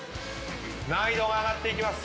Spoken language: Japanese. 難易度が上がっていきます。